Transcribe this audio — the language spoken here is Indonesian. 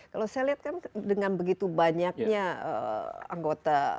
kalau saya lihat kan dengan begitu banyaknya anggota